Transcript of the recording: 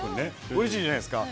うれしいじゃないですか。